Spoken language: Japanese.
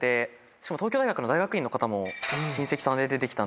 しかも東京大学の大学院の方も親戚さんで出て来たんで。